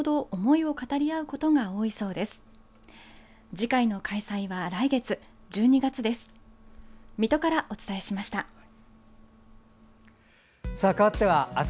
次回の開催は来月、１２月です。